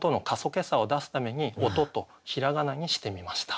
けさを出すために「おと」と平仮名にしてみました。